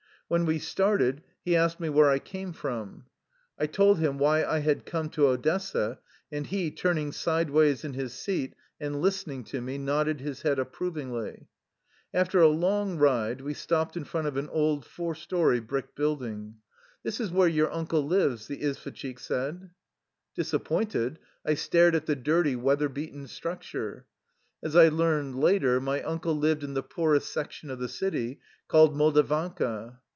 When we started, he asked me where I came from. I told him why I had come to Odessa and he, turning sideways in his seat and listening to me, nodded his head approvingly. After a long ride we stopped in front of an old four story brick building. " This is where your uncle lives," the izvosh chik said. 1 Cabmen. 42 THE LIFE STOKY OF A EUSSIAN EXILE Disappointed, I stared at the dirty, weather beaten structure. As I learned later, my uncle lived in the poorest section of the city, called Moldavanka.